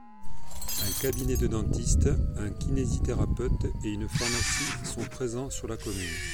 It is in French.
Un cabinet de dentiste, un kinésithérapeute et une Pharmacie sont présents sur la commune.